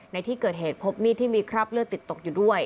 ในที่เกิดเหตุพบมีดที่มีคราบเลือดติดตกอยู่ด้วย